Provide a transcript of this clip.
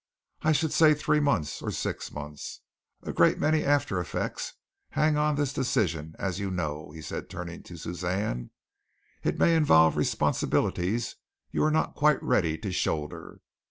I should say three months, or six months. A great many after effects hang on this decision, as you know," he said, turning to Suzanne. "It may involve responsibilities you are not quite ready to shoulder.